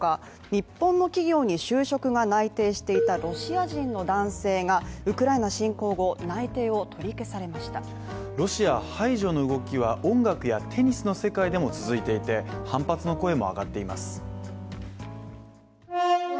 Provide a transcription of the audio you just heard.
日本の企業に就職が内定していたロシア人の男性がウクライナ侵攻後、内定を取り消されましたロシア排除の動きは、音楽やテニスの世界でも続いていて反発の声も上がっています。